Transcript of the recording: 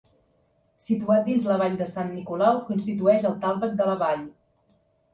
Situat dins la Vall de Sant Nicolau, constitueix el tàlveg de la vall.